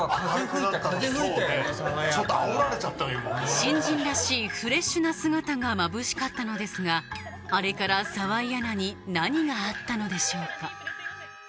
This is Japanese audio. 新人らしいフレッシュな姿がまぶしかったのですがあれから澤井アナに何があったのでしょうか？